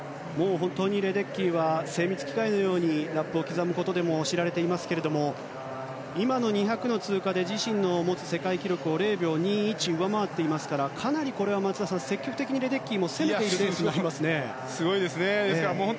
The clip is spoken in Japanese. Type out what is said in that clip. レデッキーは精密機械のようにラップを刻むことでも知られていますけども２００の通過で自身の持つ世界記録を０秒２１上回っていますからかなり松田さん、積極的にレデッキーも攻めていくかもしれないですね。